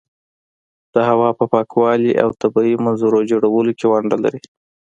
د هوا په پاکوالي او طبیعي منظرو جوړولو کې ونډه لري.